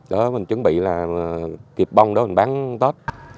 đó mình chuẩn bị là kịp bông để mình bán tết